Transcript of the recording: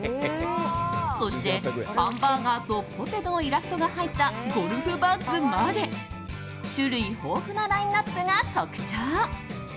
そしてハンバーガーとポテトのイラストが入ったゴルフバッグまで種類豊富なラインアップが特徴。